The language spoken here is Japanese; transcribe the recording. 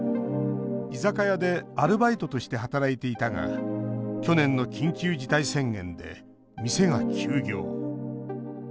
居酒屋でアルバイトとして働いていたが去年の緊急事態宣言で店が休業。